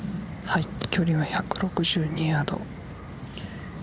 距離は１６２ヤード。